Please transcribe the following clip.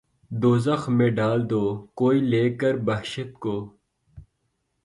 دوزخ میں ڈال دو‘ کوئی لے کر بہشت کو